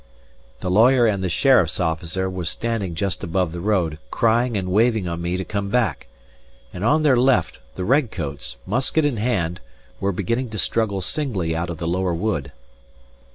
The lawyer and the sheriff's officer were standing just above the road, crying and waving on me to come back; and on their left, the red coats, musket in hand, were beginning to struggle singly out of the lower wood.